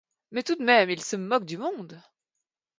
Mais tout de même il se moque du monde.